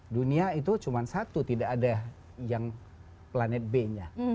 dunia itu cuma satu tidak ada yang planet b nya